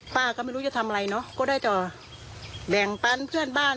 พาก็ไม่รู้จะทำอะไรนะก็ได้แบ่งไปเพื่อนบ้าน